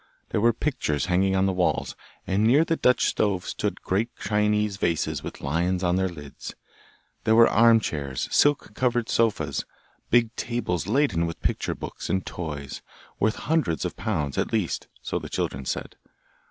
There were pictures hanging on the walls, and near the Dutch stove stood great Chinese vases with lions on their lids; there were armchairs, silk covered sofas, big tables laden with picture books and toys, worth hundreds of pounds at least, so the children said.